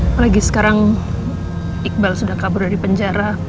apalagi sekarang iqbal sudah kabur dari penjara